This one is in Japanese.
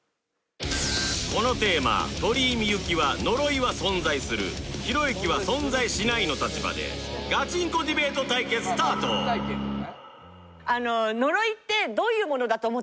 このテーマ鳥居みゆきは呪いは存在するひろゆきは存在しないの立場でガチンコディベート対決スタートだと思ってるんですよ